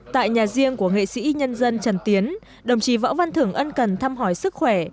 tại nhà riêng của nghệ sĩ nhân dân trần tiến đồng chí võ văn thưởng ân cần thăm hỏi sức khỏe